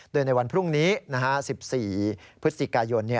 โดยในวันพรุ่งนี้๑๔พฤศจิกายน